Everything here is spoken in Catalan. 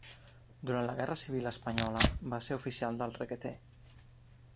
Durant la Guerra Civil espanyola va ser oficial del Requetè.